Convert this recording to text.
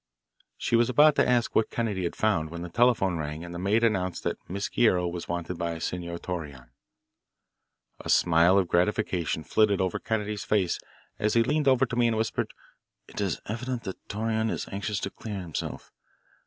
She was about to ask what Kennedy had found when the telephone rang and the maid announced that Miss Guerrero was wanted by Senor Torreon. A smile of gratification flitted over Kennedy's face as he leaned over to me and whispered: "It is evident that Torreon is anxious to clear himself.